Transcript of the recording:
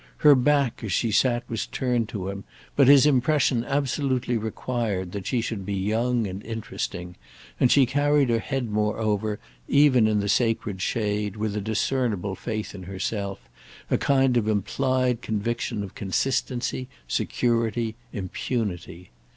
Her back, as she sat, was turned to him, but his impression absolutely required that she should be young and interesting, and she carried her head moreover, even in the sacred shade, with a discernible faith in herself, a kind of implied conviction of consistency, security, impunity.